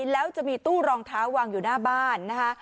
แล้วจะมีตู้รองเท้าวางอยู่หน้าบ้านนะคะ